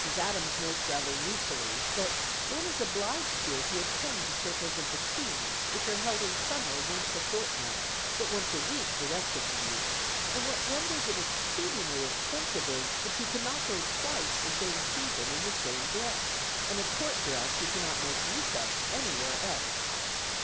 Adams notes rather ruefully that "one is obliged here to attend the circles of the Queen, which are held in summer once a fortnight, but once a week the rest of the year; and what renders it exceedingly expensive is, that you cannot go twice the same season in the same dress, and a Court dress you cannot make use of anywhere else."